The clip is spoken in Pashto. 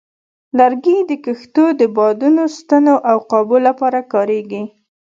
لرګي د کښتو د بادبانو، ستنو، او قابو لپاره کارېږي.